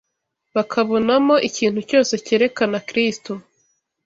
bakabonamo ikintu cyose cyerekana Kristo